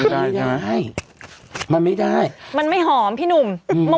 ไม่ได้ไม่ได้มันไม่ได้มันไม่หอมพี่หนุ่มอืม